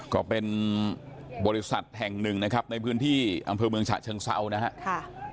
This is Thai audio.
ก็เป็นบริษัทแห่งหนึ่งนะครับในพื้นที่อำเภอเมืองฉะเชิงเซานะครับ